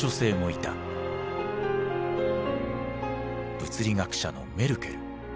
物理学者のメルケル。